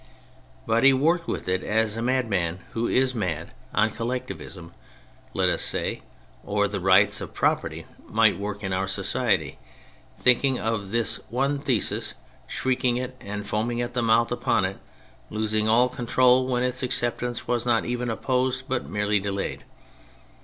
But he worked with it as a madman who is mad on collectivism, let us say, or the rights of property, might work in our society, thinking of his one thesis, shrieking it and foaming at the mouth upon it, losing all control when its acceptance was not even opposed but merely delayed.